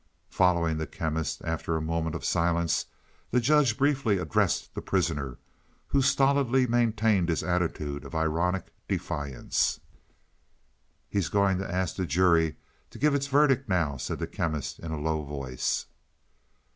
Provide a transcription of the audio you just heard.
Following the Chemist, after a moment of silence, the judge briefly addressed the prisoner, who stolidly maintained his attitude of ironic defiance. "He is going to ask the jury to give its verdict now," said the Chemist in a low voice.